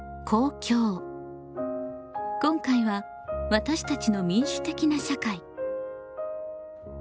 今回は「私たちの民主的な社会」。